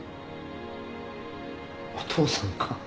お父さんか。